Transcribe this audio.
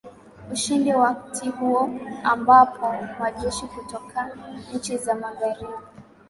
ushindi wakti huo ambapo majeshi kutoka nchi za magharibi